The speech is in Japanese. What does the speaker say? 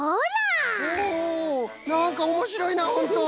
なんかおもしろいなホント！